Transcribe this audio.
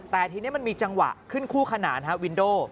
แต่ทีนี้มันมีจังหวะขึ้นคู่ขนานฮะวินโด